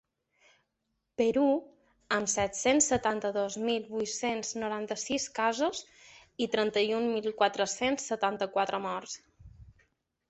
Perú, amb set-cents setanta-dos mil vuit-cents noranta-sis casos i trenta-un mil quatre-cents setanta-quatre morts.